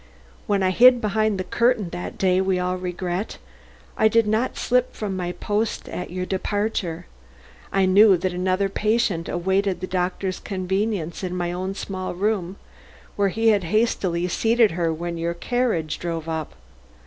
When I hid behind the curtain on that day we all regret, I did not slip from my post at your departure. I knew that another patient awaited the doctor's convenience in my own small room, where he had hastily seated her when your carriage drove up.